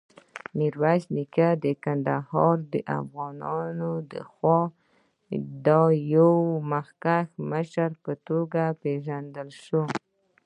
میرویس نیکه د کندهار دافغانانودخوا د یوه مخکښ مشر په توګه وپېژندل شو.